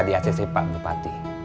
di acc pak bupati